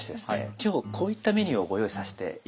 今日こういったメニューをご用意させて頂きました。